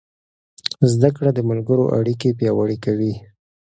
زده کړه د ملګرو اړیکې پیاوړې کوي.